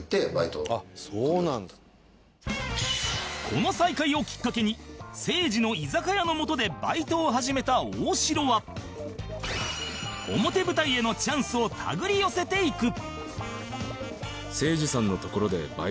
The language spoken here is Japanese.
この再会をきっかけにせいじの居酒屋のもとでバイトを始めた大城は表舞台へのチャンスを手繰り寄せていく